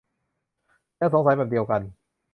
และสงสัยแบบเดียวกัน